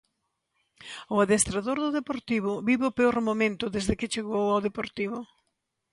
O adestrador do Deportivo vive o peor momento desde que chegou ao Deportivo.